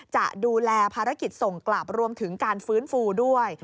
จะดูแลภารกิจส่งกลับรวมถึงการฟื้นฟูด้วย